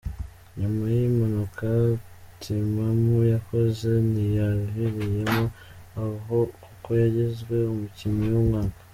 Nyuma y’impanuka Timamu yakoze ntiyaviriyemo aho kuko yagizwe umukinnyi w’umwaka.